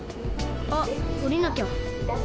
あっおりなきゃ。